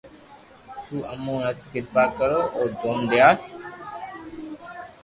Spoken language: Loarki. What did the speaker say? تو امو نت ڪرپا ڪرو او دون ديال